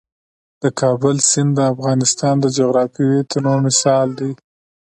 د کابل سیند د افغانستان د جغرافیوي تنوع مثال دی.